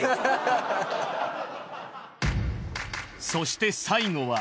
そして最後は。